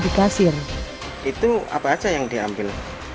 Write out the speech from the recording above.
itu apa saja yang diambil